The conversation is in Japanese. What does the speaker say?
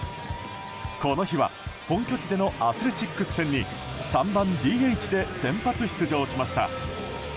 この日は本拠地でのアスレチックス戦に３番ＤＨで先発出場しました。